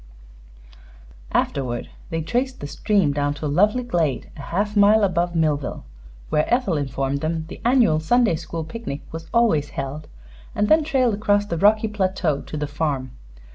Afterward they traced the stream down to a lovely glade a half mile above Millville, where Ethel informed them the annual Sunday school picnic was always held, and then trailed across the rocky plateau to the farm.